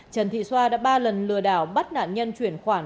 trần thị xoa đã ba lần lừa đảo bắt nạn nhân chuyển khoản